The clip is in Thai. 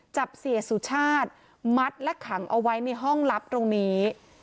จับเสียสุชาติมัดและขังเอาไว้ในห้องลับตรงนี้